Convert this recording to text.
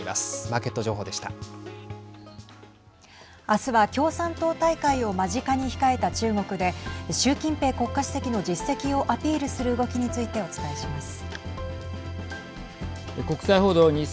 明日は共産党大会を間近に控えた中国で習近平国家主席の実績をアピールする動きについてお伝えします。